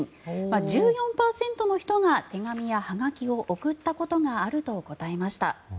１４％の人が手紙やはがきを送ったことがあると答えました。